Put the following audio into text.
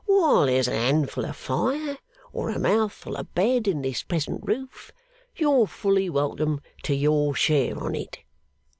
While there's a handful of fire or a mouthful of bed in this present roof, you're fully welcome to your share on it.